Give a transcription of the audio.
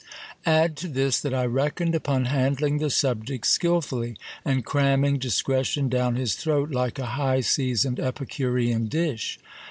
Add to this, that I reckoned upon handling the subject skilfully, and cramming discretion down his throat like a high seasoned epicurean dish.